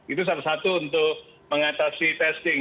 itu salah satu untuk mengatasi testing